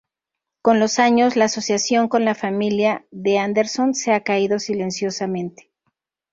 Con los años, la asociación con la familia de Anderson se ha caído silenciosamente.